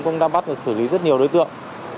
cũng đã bắt và xử lý rất nhiều đối tượng